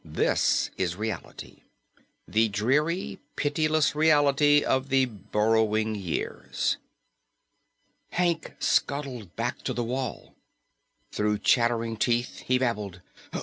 This is reality, the dreary, pitiless reality of the Burrowing Years." Hank scuttled back to the wall. Through chattering teeth he babbled